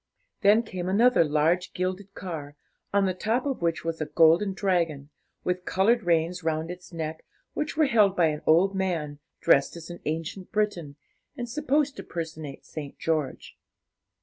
Then came another large gilded car, on the top of which was a golden dragon, with coloured reins round its neck, which were held by an old man, dressed as an ancient Briton, and supposed to personate St. George.